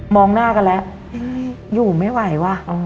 หน้ากันแล้วอยู่ไม่ไหวว่ะ